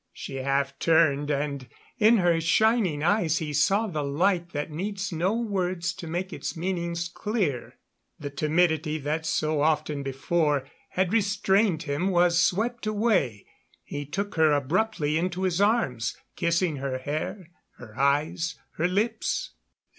She half turned, and in her shining eyes he saw the light that needs no words to make its meaning clear. The timidity that so often before had restrained him was swept away; he took her abruptly into his arms, kissing her hair, her eyes, her lips.